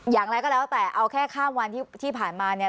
อย่างไรก็แล้วแต่เอาแค่ข้ามวันที่ผ่านมาเนี่ย